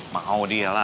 mau dia lah